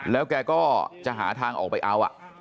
แล้วแกก็จะหาทางออกไปเอา